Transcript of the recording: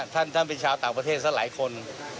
ท่านเป็นชาวต่างประเทศซะหลายคน